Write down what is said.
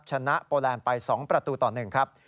โปแลนด์ไป๒ประตูต่อ๑ครับ